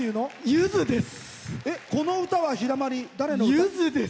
ゆずです。